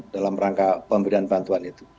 dalam rangka pemberian bantuan itu